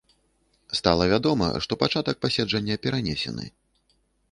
Стала вядома, што пачатак паседжання перанесены.